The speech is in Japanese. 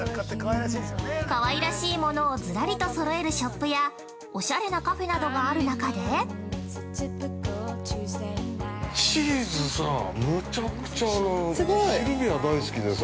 かわいらしいものをずらりとそろえるショップやおしゃれなカフェなどがある中で◆チーズさぁ、むちゃくちゃシルビア大好きでさ。